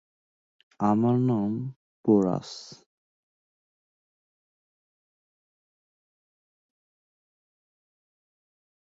আমার নাম পোরাস।